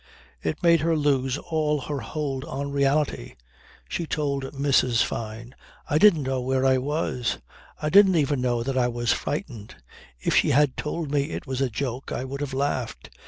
It made her lose all her hold on reality. She told Mrs. Fyne: "I didn't know where I was. I didn't even know that I was frightened. If she had told me it was a joke I would have laughed.